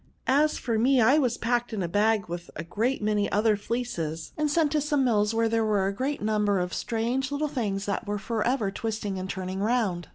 As for me, I was packed in a bag with a great many other fleeces, and sent to some 176 PRONOUNIJ. mills^ where there were a great number odT strange^Kttle things that were for ever twist ing and turning round.